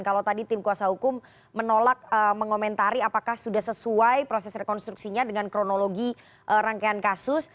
kalau tadi tim kuasa hukum menolak mengomentari apakah sudah sesuai proses rekonstruksinya dengan kronologi rangkaian kasus